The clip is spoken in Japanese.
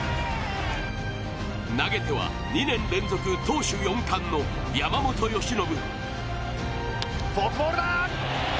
投げては２年連続投手４冠の山本由伸。